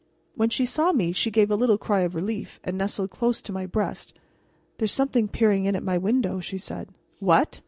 When she saw me she gave a little cry of relief, and nestled close to my breast. "There is something peering in at my window," she said. "What!"